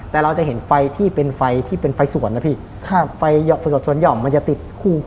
แต่เราจะเห็นไฟที่เป็นไฟสวนนะพี่ไฟสวนหย่อมมันจะติด